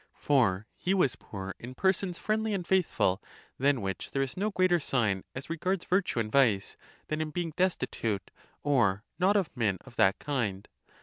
For he was poor in persons friend ly and faithful; than which there is no greater sign as re gards virtue and vice, than in being destitute or not of men of that kind.